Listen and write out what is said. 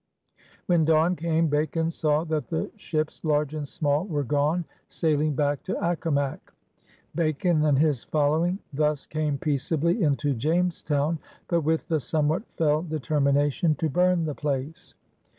When dawn came, Bacon saw that the ships, large and small, were gone, sailing back to Accomac. 184 PIONEERS OF THE OLD SOUTH Bacon and his following thus came peaceably into Jamestown, but with the somewhat fell de termination to bum the place.